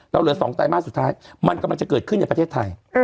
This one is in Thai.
เหลือ๒ไตรมาสสุดท้ายมันกำลังจะเกิดขึ้นในประเทศไทย